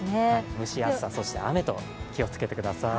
蒸し暑さ、そして雨と気をつけてください。